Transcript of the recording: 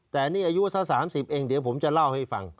แต่นี่อายุเศร้าสามสิบเองเดี๋ยวผมจะเล่าให้ฟัง